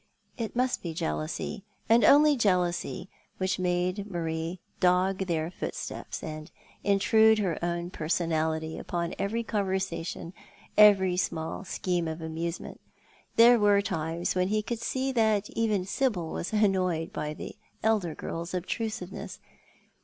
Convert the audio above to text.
It must be jealousy, and only jealousy, which made Marie dog their footsteps, and intrude her own personality upon every conver sation, every small scheme of amusement. There were times when he could see that even Sibyl was annoyed by the elder girl's obtrusivencss.